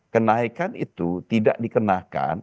kenaikan itu tidak dikenakan